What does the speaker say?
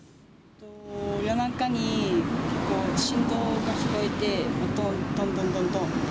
夜中に振動が聞こえて、どんどん、どんどんどんって。